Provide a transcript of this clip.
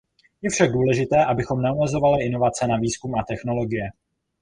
Je však důležité, abychom neomezovali inovace na výzkum a technologie.